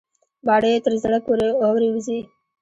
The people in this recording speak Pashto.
باڼه يې تر زړه پورې اورې وزي.